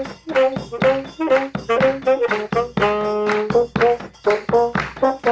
มันกลับบันเมืองอีกขึ้นขึ้นเลือกให้เวลาแพร่วอลนี่